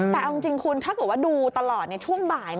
แต่เอาจริงคุณถ้าเกิดว่าดูตลอดช่วงบ่าย